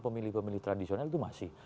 pemilih pemilih tradisional itu masih